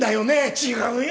「違うよ。